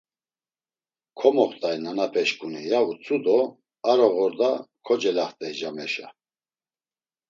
Komoxt̆ay nanapeşǩuni, ya utzu do aroğorda kocelaxt̆ey cameşa.